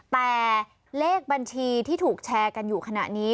แต่เลขบัญชีที่ถูกแชร์กันอยู่ขณะนี้